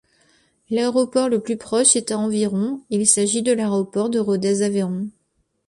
L'aéroport le plus proche est à environ, il s'agit de l'aéroport de Rodez-Aveyron.